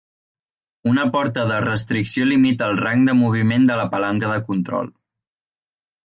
Una porta de restricció limita el rang de moviment de la palanca de control.